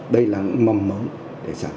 đây là mầm mống để sản